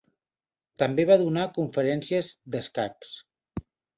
També va donar conferències d'escacs.